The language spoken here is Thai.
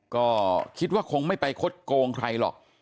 ก็คิดว่าคงไม่ไปคดโกงใครหรอก